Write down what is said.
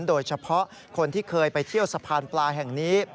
โดยเฉพาะคนที่เคยไปเที่ยวสะพานปลาแห่งนี้